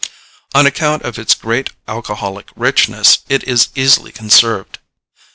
On account of its great alcoholic richness it is easily conserved.